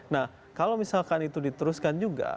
nah kalau misalkan itu diteruskan juga